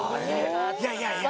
いやいやいや。